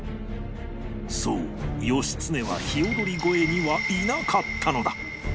そう義経はひよどり越えにはいなかったのだ